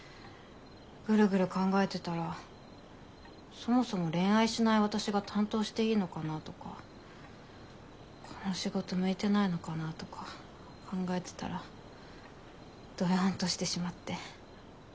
グルグル考えてたらそもそも恋愛しない私が担当していいのかなとかこの仕事向いてないのかなとか考えてたらドヨンとしてしまって。